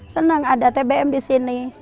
senang ada tbm di sini